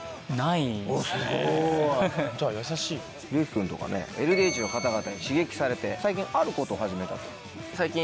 ＲＹＯＫＩ君とかねＬＤＨの方々に刺激されて最近あることを始めたと。